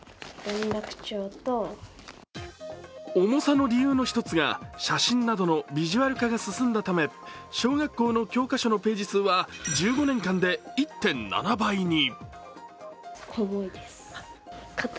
重さの理由の１つが写真などのビジュアル化が進んだため小学校の教科書のページ数は１５年間で１．７倍に。